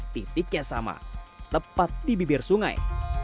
titiknya sama tepat di bibir sungai